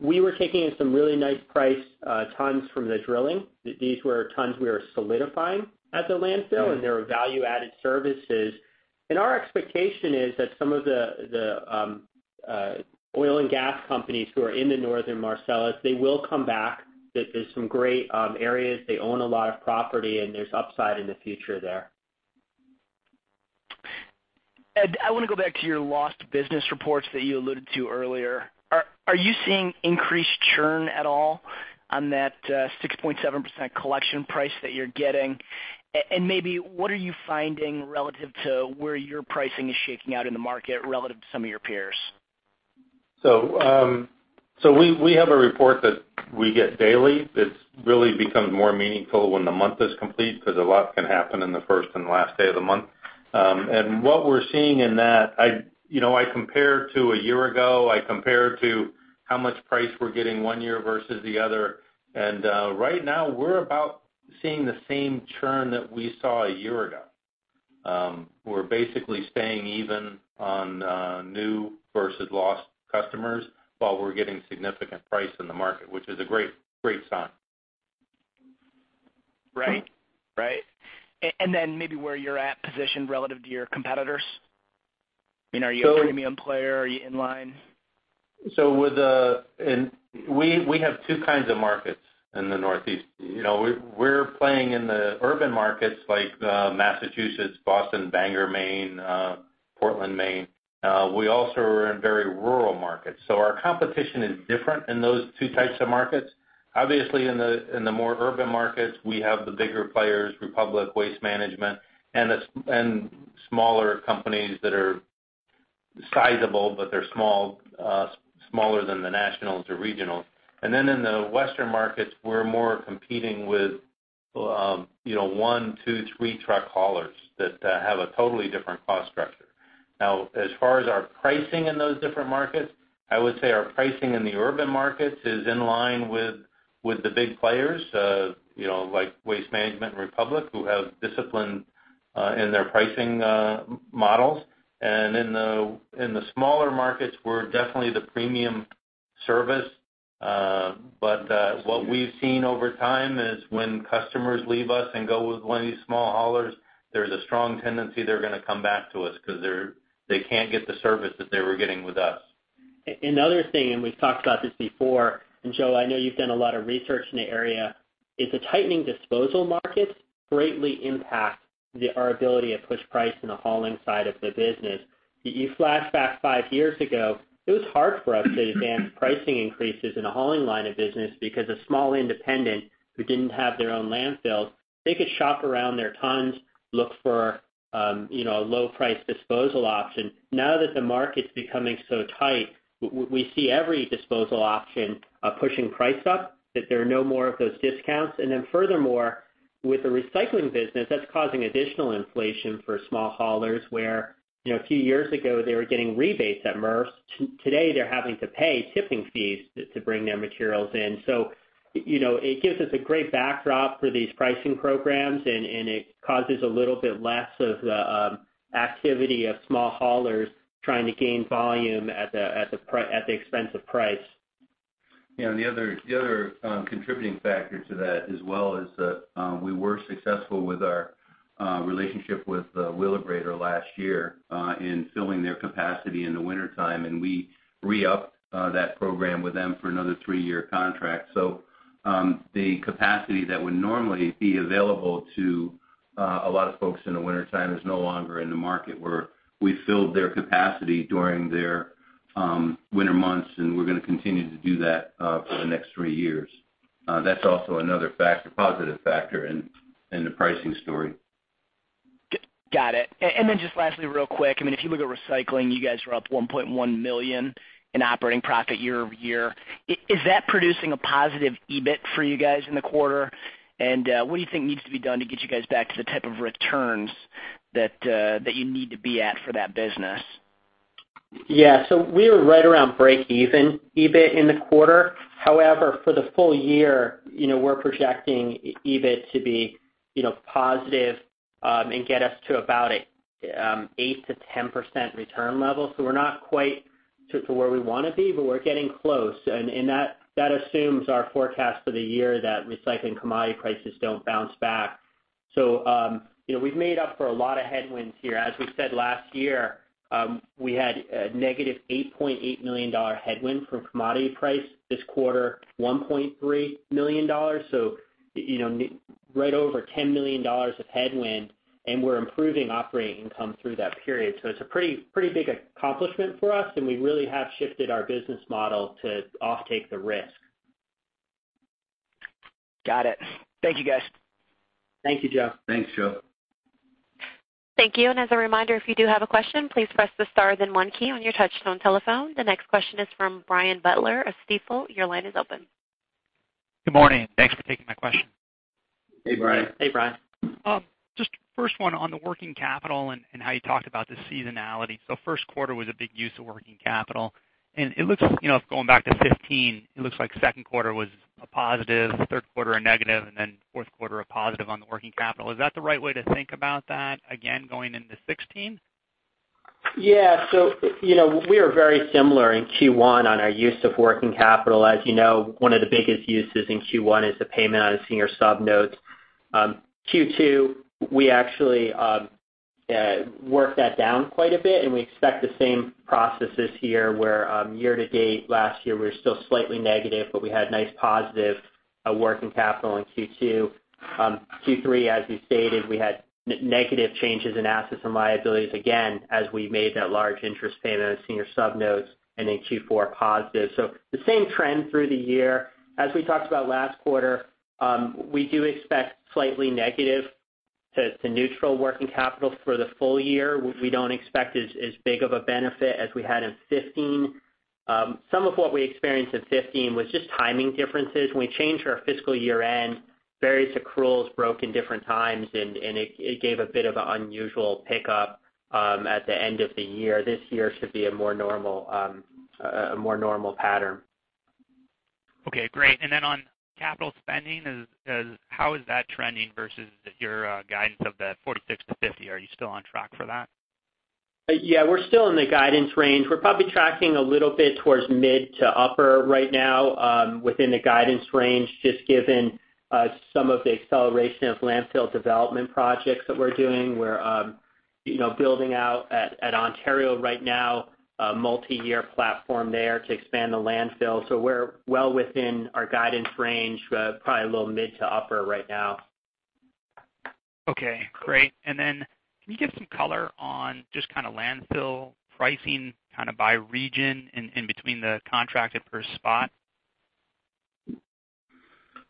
we were taking in some really nice price tons from the drilling. These were tons we were solidifying at the landfill, and they were value-added services. Our expectation is that some of the oil and gas companies who are in the Northern Marcellus, they will come back, that there's some great areas, they own a lot of property, and there's upside in the future there. Ed, I want to go back to your lost business reports that you alluded to earlier. Are you seeing increased churn at all on that 6.7% collection price that you're getting? Maybe what are you finding relative to where your pricing is shaking out in the market relative to some of your peers? We have a report that we get daily that's really become more meaningful when the month is complete because a lot can happen in the first and last day of the month. What we're seeing in that, I compare to a year ago, I compare to how much price we're getting one year versus the other. Right now, we're about seeing the same churn that we saw a year ago. We're basically staying even on new versus lost customers while we're getting significant price in the market, which is a great sign. Right. Maybe where you're at positioned relative to your competitors? Are you a premium player? Are you in line? We have two kinds of markets in the Northeast. We're playing in the urban markets like Massachusetts, Boston, Bangor, Maine, Portland, Maine. We also are in very rural markets. Our competition is different in those two types of markets. Obviously, in the more urban markets, we have the bigger players, Republic Services, Waste Management, and smaller companies that are sizable, but they're smaller than the nationals or regionals. In the Western markets, we're more competing with one, two, three truck haulers that have a totally different cost structure. Now, as far as our pricing in those different markets, I would say our pricing in the urban markets is in line with the big players, like Waste Management and Republic Services, who have discipline in their pricing models. In the smaller markets, we're definitely the premium service. What we've seen over time is when customers leave us and go with one of these small haulers, there's a strong tendency they're going to come back to us because they can't get the service that they were getting with us. Another thing, we've talked about this before, Joe, I know you've done a lot of research in the area, is the tightening disposal markets greatly impact our ability to push price in the hauling side of the business? You flash back 5 years ago, it was hard for us to advance pricing increases in the hauling line of business because a small independent who didn't have their own landfill, they could shop around their tons, look for a low price disposal option. Now that the market's becoming so tight, we see every disposal option pushing price up, that there are no more of those discounts. Furthermore, with the recycling business, that's causing additional inflation for small haulers, where a few years ago, they were getting rebates at MRF. Today, they're having to pay tipping fees to bring their materials in. It gives us a great backdrop for these pricing programs, and it causes a little bit less of activity of small haulers trying to gain volume at the expense of price. The other contributing factor to that as well is that we were successful with our relationship with Wheelabrator last year in filling their capacity in the wintertime, and we re-upped that program with them for another 3-year contract. The capacity that would normally be available to a lot of folks in the wintertime is no longer in the market, where we filled their capacity during their winter months, and we're going to continue to do that for the next 3 years. That's also another positive factor in the pricing story. Got it. Just lastly, real quick, if you look at recycling, you guys are up $1.1 million in operating profit year-over-year. Is that producing a positive EBIT for you guys in the quarter? What do you think needs to be done to get you guys back to the type of returns that you need to be at for that business? Yeah. We were right around break even EBIT in the quarter. However, for the full year, we're projecting EBIT to be positive and get us to about an 8%-10% return level. We're not quite to where we want to be, but we're getting close, and that assumes our forecast for the year that recycling commodity prices don't bounce back. We've made up for a lot of headwinds here. As we said last year, we had a negative $8.8 million headwind from commodity price. This quarter, $1.3 million. Right over $10 million of headwind, and we're improving operating income through that period. It's a pretty big accomplishment for us, and we really have shifted our business model to offtake the risk. Got it. Thank you, guys. Thank you, Joe. Thanks, Joe. Thank you. As a reminder, if you do have a question, please press the star, then one key on your touch-tone telephone. The next question is from Brian Butler of Stifel. Your line is open. Good morning. Thanks for taking my question. Hey, Brian. Hey, Brian. First one on the working capital and how you talked about the seasonality. First quarter was a big use of working capital, and going back to 2015, it looks like second quarter was a positive, third quarter a negative, and fourth quarter a positive on the working capital. Is that the right way to think about that again, going into 2016? We are very similar in Q1 on our use of working capital. As you know, one of the biggest uses in Q1 is the payment on the senior sub-note. Q2, we actually worked that down quite a bit, and we expect the same processes here where year to date last year, we were still slightly negative, but we had nice positive working capital in Q2. Q3, as we stated, we had negative changes in assets and liabilities again, as we made that large interest payment on senior sub-notes, and Q4 positive. The same trend through the year. As we talked about last quarter, we do expect slightly negative to neutral working capital for the full year. We don't expect as big of a benefit as we had in 2015. Some of what we experienced in 2015 was just timing differences. When we changed our fiscal year-end, various accruals broke in different times, and it gave a bit of an unusual pickup at the end of the year. This year should be a more normal pattern. On capital spending, how is that trending versus your guidance of the $46-$50? Are you still on track for that? Yeah, we're still in the guidance range. We're probably tracking a little bit towards mid to upper right now within the guidance range, just given some of the acceleration of landfill development projects that we're doing. We're building out at Ontario right now, a multi-year platform there to expand the landfill. We're well within our guidance range, but probably a little mid to upper right now. Okay, great. Can you give some color on just kind of landfill pricing kind of by region in between the contracted or spot?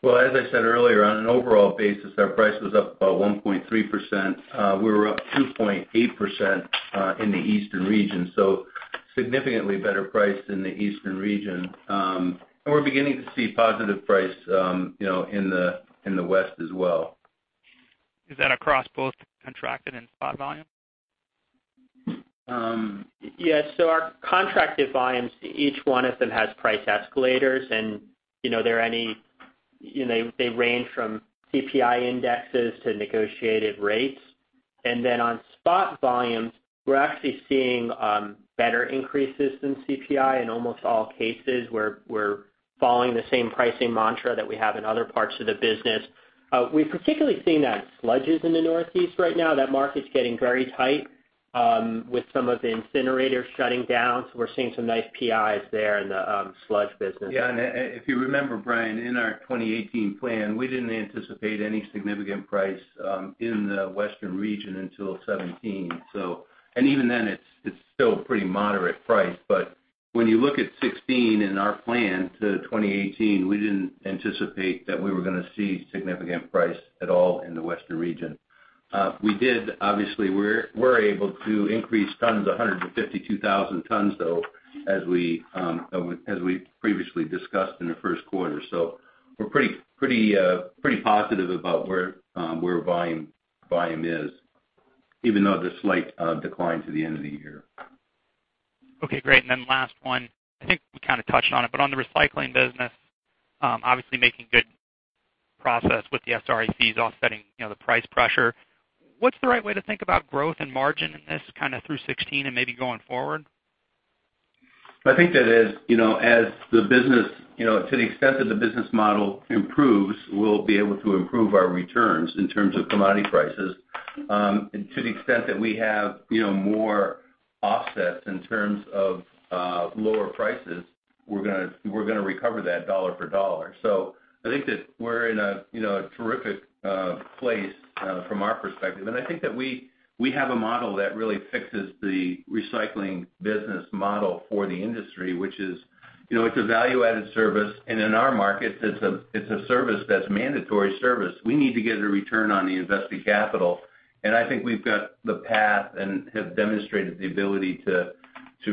Well, as I said earlier, on an overall basis, our price was up about 1.3%. We were up 2.8% in the eastern region, so significantly better price in the eastern region. We're beginning to see positive price in the west as well. Is that across both contracted and spot volume? Our contracted volumes, each one of them has price escalators, and they range from CPI indexes to negotiated rates. On spot volumes, we're actually seeing better increases than CPI in almost all cases, where we're following the same pricing mantra that we have in other parts of the business. We've particularly seen that in sludges in the Northeast right now. That market's getting very tight with some of the incinerators shutting down. We're seeing some nice PIs there in the sludge business. If you remember, Brian, in our 2018 plan, we didn't anticipate any significant price in the western region until 2017. Even then, it's still pretty moderate price. When you look at 2016 and our plan to 2018, we didn't anticipate that we were going to see significant price at all in the western region. Obviously, we're able to increase tons, 152,000 tons, though, as we previously discussed in the first quarter. We're pretty positive about where volume is, even though the slight decline to the end of the year. Okay, great. Last one, I think we kind of touched on it, on the recycling business, obviously making good progress with the SRA fees offsetting the price pressure, what's the right way to think about growth and margin in this kind of through 2016 and maybe going forward? I think that to the extent that the business model improves, we'll be able to improve our returns in terms of commodity prices. To the extent that we have more offsets in terms of lower prices, we're going to recover that dollar for dollar. I think that we're in a terrific place from our perspective, and I think that we have a model that really fixes the recycling business model for the industry, which is it's a value-added service, and in our markets, it's a service that's mandatory service. We need to get a return on the invested capital, and I think we've got the path and have demonstrated the ability to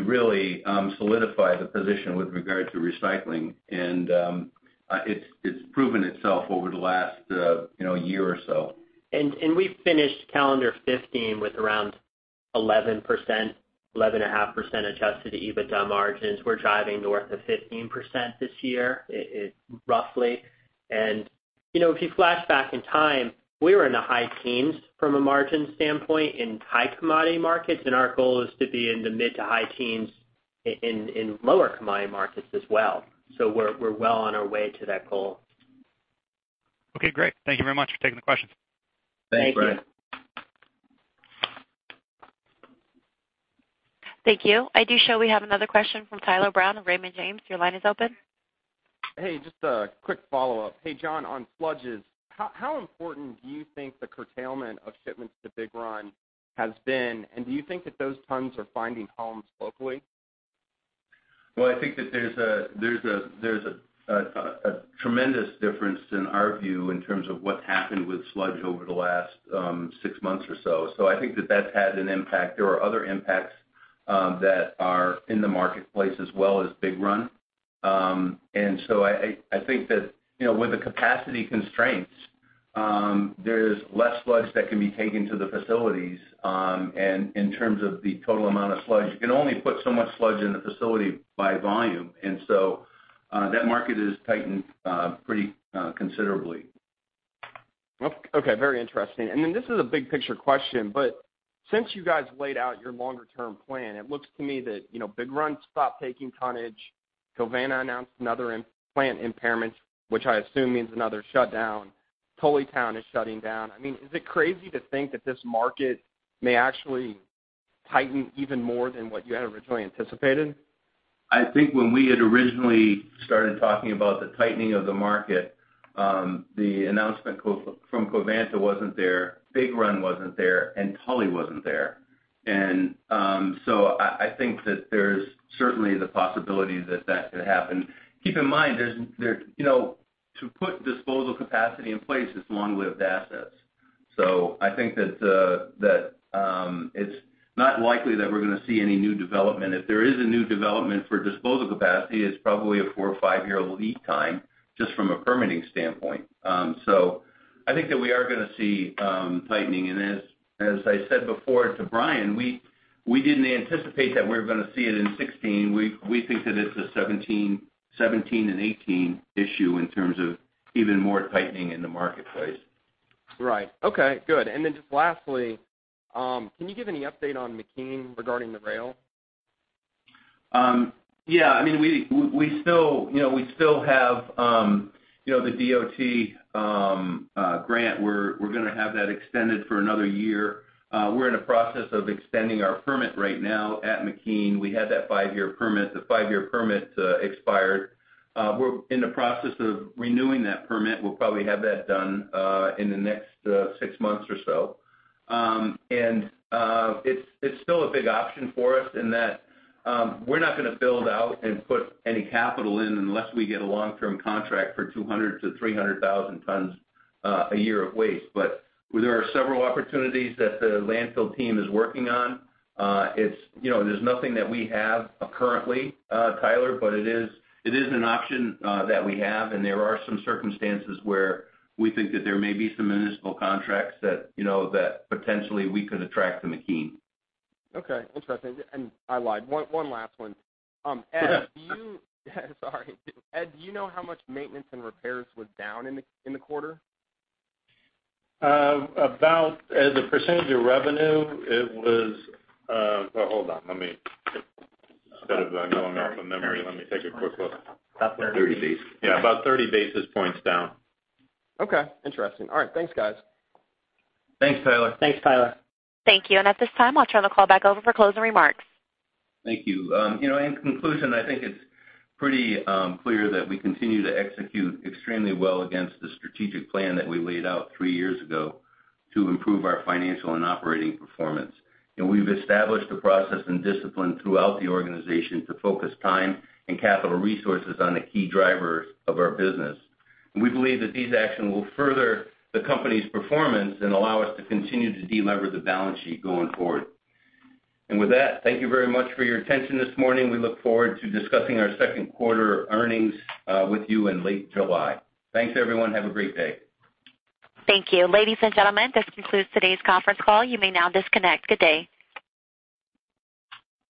really solidify the position with regard to recycling. It's proven itself over the last year or so. We finished calendar 2015 with around 11%, 11.5% adjusted EBITDA margins. We're driving north of 15% this year, roughly. If you flash back in time, we were in the high teens from a margin standpoint in high commodity markets, and our goal is to be in the mid to high teens in lower commodity markets as well. We're well on our way to that goal. Okay, great. Thank you very much for taking the questions. Thanks, Brian. Thank you. Thank you. I do show we have another question from Tyler Brown of Raymond James. Your line is open. Hey, just a quick follow-up. Hey, John, on sludges, how important do you think the curtailment of shipments to Big Run has been? Do you think that those tons are finding homes locally? Well, I think that there's a tremendous difference in our view in terms of what's happened with sludge over the last six months or so. I think that that's had an impact. There are other impacts that are in the marketplace as well as Big Run. I think that with the capacity constraints, there's less sludge that can be taken to the facilities. In terms of the total amount of sludge, you can only put so much sludge in the facility by volume. That market has tightened pretty considerably. Okay. Very interesting. This is a big picture question, since you guys laid out your longer term plan, it looks to me that Big Run stopped taking tonnage, Covanta announced another plant impairment, which I assume means another shutdown. Tullytown is shutting down. Is it crazy to think that this market may actually tighten even more than what you had originally anticipated? I think when we had originally started talking about the tightening of the market, the announcement from Covanta wasn't there, Big Run wasn't there, and Tully wasn't there. I think that there's certainly the possibility that that could happen. Keep in mind, to put disposal capacity in place, it's long-lived assets. I think that it's not likely that we're going to see any new development. If there is a new development for disposal capacity, it's probably a four- or five-year lead time just from a permitting standpoint. I think that we are going to see tightening. As I said before to Brian, we didn't anticipate that we were going to see it in 2016. We think that it's a 2017 and 2018 issue in terms of even more tightening in the marketplace. Right. Okay, good. Just lastly, can you give any update on McKean regarding the rail? Yeah, we still have the DOT grant. We're going to have that extended for another year. We're in the process of extending our permit right now at McKean. We had that five-year permit. The five-year permit expired. We're in the process of renewing that permit. We'll probably have that done in the next six months or so. It's still a big option for us in that we're not going to build out and put any capital in unless we get a long-term contract for 200,000 to 300,000 tons a year of waste. There are several opportunities that the landfill team is working on. There's nothing that we have currently, Tyler, but it is an option that we have, and there are some circumstances where we think that there may be some municipal contracts that potentially we could attract to McKean. Okay. Interesting. I lied, one last one. Go ahead. Sorry. Ed, do you know how much maintenance and repairs was down in the quarter? About, as a percentage of revenue, Hold on, let me. Instead of going off of memory, let me take a quick look. About 30 basis. Yeah, about 30 basis points down. Okay. Interesting. All right. Thanks, guys. Thanks, Tyler. Thanks, Tyler. Thank you. At this time, I'll turn the call back over for closing remarks. Thank you. In conclusion, I think it's pretty clear that we continue to execute extremely well against the strategic plan that we laid out three years ago to improve our financial and operating performance. We've established the process and discipline throughout the organization to focus time and capital resources on the key drivers of our business. We believe that these actions will further the company's performance and allow us to continue to delever the balance sheet going forward. With that, thank you very much for your attention this morning. We look forward to discussing our second quarter earnings with you in late July. Thanks, everyone. Have a great day. Thank you. Ladies and gentlemen, this concludes today's conference call. You may now disconnect. Good day.